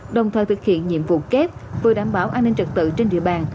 đồng thời thực hiện nhiệm vụ kép vừa đảm bảo an ninh trật tự trên địa bàn